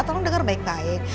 tolong denger baik baik